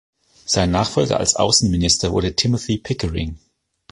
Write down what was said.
Sein Nachfolger als Außenminister wurde Timothy Pickering.